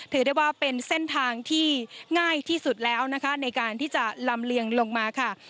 ถือได้ว่าเป็นเส้นทางที่ง่ายที่สุดแล้วนะคะในการที่จะลำเลียงลงมาค่ะ